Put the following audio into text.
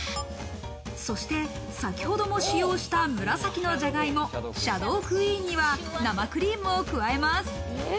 そして先ほども使用した紫のじゃがいも・シャドークイーンには生クリームを加えます。